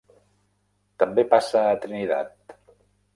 També passa a Trinidad.